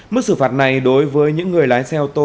mức xử phạt này đối với những người lái xe ô tô